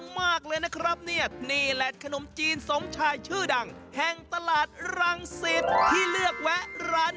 ไปกันเลย